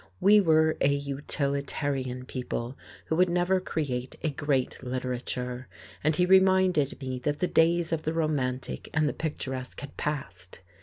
We were a utilitarian people who would never create a great literature, and he reminded me that the days of the romantic and the picturesque had passed.